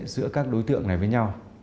giữa các đối tượng này với nhau